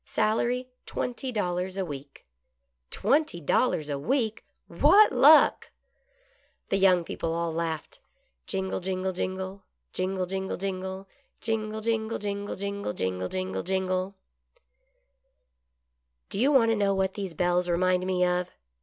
Salary twenty dollars a week." " Twenty dollars a week. What luck !" The young people all laughed : Jing/e, jingle, jingle. Jingle, jingle, jingle. Jingle, jingle, jingle, jingle, Jingle, jingle, jingle /" Do you want to know what these bells remind me of.?"